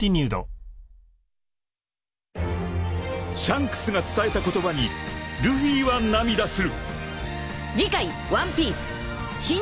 ［シャンクスが伝えた言葉にルフィは涙する］